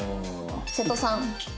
瀬戸さん。